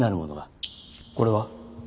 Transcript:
これは？